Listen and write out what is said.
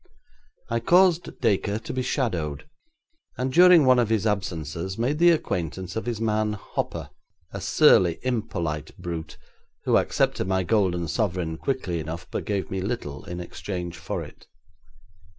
I caused Dacre to be shadowed, and during one of his absences made the acquaintance of his man Hopper, a surly, impolite brute, who accepted my golden sovereign quickly enough, but gave me little in exchange for it.